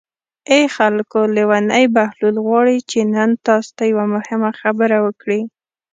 ای خلکو لېونی بهلول غواړي چې نن تاسو ته یوه مهمه خبره وکړي.